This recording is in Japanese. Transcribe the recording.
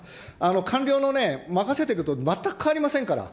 官僚のね、任せてると全く変わりませんから。